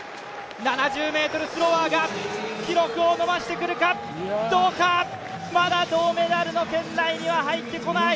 ７０ｍスロワーが記録を伸ばしてくるかまだ銅メダルの圏内には入ってこない！